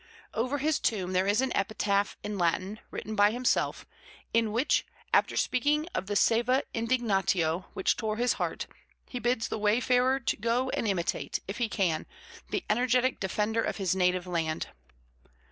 Over his tomb there is an epitaph in Latin, written by himself, in which, after speaking of the saeva indignatio which tore his heart, he bids the wayfarer go and imitate, if he can, the energetic defender of his native land.